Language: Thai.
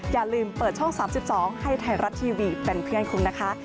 อย่าลืมเปิดช่อง๓๒ให้ไทยรัฐทีวีเป็นเพื่อนคุณนะคะ